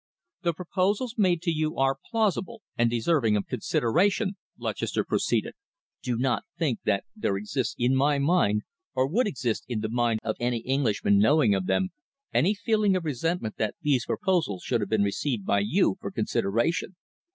"The proposals made to you are plausible and deserving of consideration," Lutchester proceeded. "Do not think that there exists in my mind, or would exist in the mind of any Englishman knowing of them, any feeling of resentment that these proposals should have been received by you for consideration.